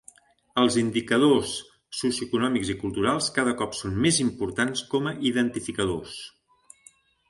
Els indicadores socioeconòmics i culturals cada cop són més importants com a identificadors.